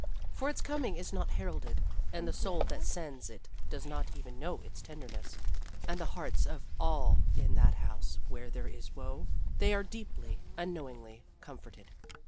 For its coming is not heralded, and the soul that sends it does not even know its tenderness, and the hearts of all in that house where there is woe they are deeply, unknowingly comforted.